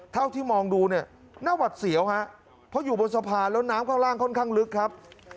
เท่าที่มองดูเนี่ยหน้าหวัดเสียวฮะเพราะอยู่บนสะพานแล้วน้ำข้างล่างค่อนข้างลึกครับ